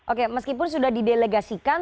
oke meskipun sudah didelegasikan